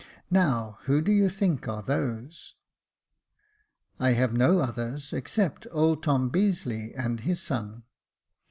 Now, who do you think are those ?"" I have no others, except old Tom Beazeley and his son."